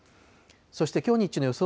そしてきょう日中の予想